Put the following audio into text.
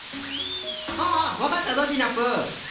ああわかったぞシナプーうん。